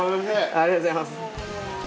ありがとうございます。